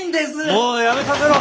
もうやめさせろ！